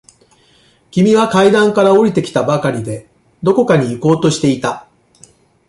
君は階段から下りてきたばかりで、どこかに行こうとしていた。